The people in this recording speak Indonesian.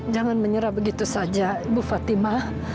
jangan menyerah begitu saja ibu fatimah